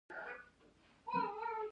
کوتره سپین رنګ ډېره ښکاري.